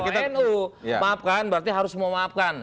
kita nu maafkan berarti harus memaafkan